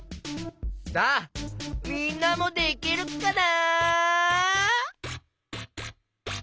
さあみんなもできるかな？